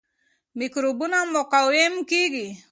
میکروبونه مقاوم کیږي.